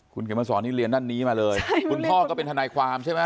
คุณเขียนมาสอนนี่เรียนด้านนี้มาเลยคุณพ่อก็เป็นทนายความใช่ไหม